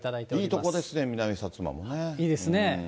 いいとこですね、いいですね。